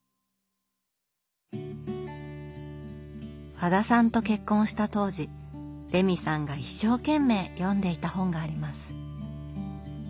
和田さんと結婚した当時レミさんが一生懸命読んでいた本があります。